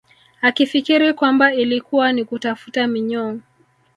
Akifikiri kwamba ilikuwa ni kutafuta minyoo